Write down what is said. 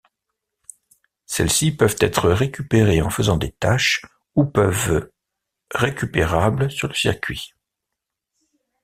Celles-ci peuvent être récupérés en faisant des tâches ou peuvent récupérables sur le circuit.